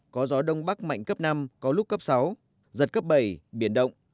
có gió đông bắc mạnh cấp năm có lúc cấp sáu giật cấp bảy biển động